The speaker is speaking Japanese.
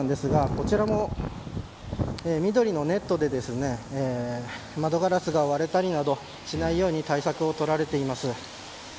こちらも緑のネットで窓ガラスが割れたりなどしないように対策を取られています。